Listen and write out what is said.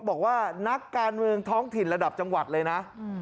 บอกว่านักการเมืองท้องถิ่นระดับจังหวัดเลยนะ